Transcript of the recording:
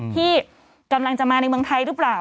ที่กำลังจะมาในเมืองไทยหรือเปล่า